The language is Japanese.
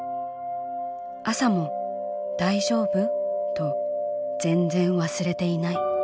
朝も『大丈夫？』と全然わすれていない。